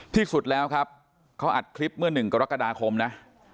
ที่สุดแล้วครับเขาอัดคลิปเมื่อ๑กรกฎาคมนะ